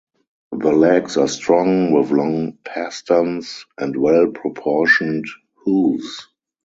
The legs are strong, with long pasterns and well-proportioned hooves.